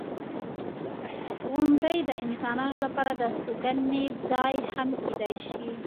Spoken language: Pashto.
• غونډۍ د انسانانو لپاره د استوګنې ځای هم کیدای شي.